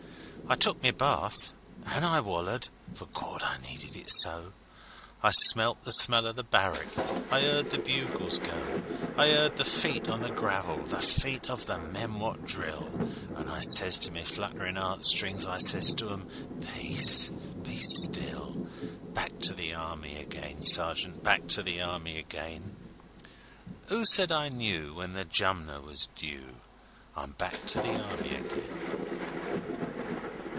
I took my bath, an' I wallered for, Gawd, I needed it so! I smelt the smell o' the barricks, I 'eard the bugles go. I 'eard the feet on the gravel the feet o' the men what drill An' I sez to my flutterin' 'eart strings, I sez to 'em, âPeace, be still!â Back to the Army again, sergeant, Back to the Army again; 'Oo said I knew when the Jumner was due? I'm back to the Army again!